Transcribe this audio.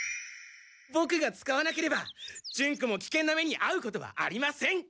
ボクが使わなければジュンコも危険な目にあうことはありません。